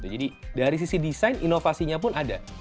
jadi dari sisi desain inovasinya pun ada